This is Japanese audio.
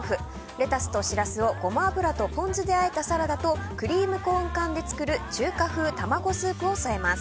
レタスとシラスを、ゴマ油とポン酢であえたサラダとクリームコーン缶で作る中華風卵スープを添えます。